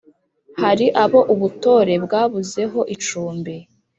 hari abo ubutore bwabuzeho icumbi,